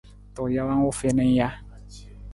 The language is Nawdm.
Tuu jawang u fiin ng ja.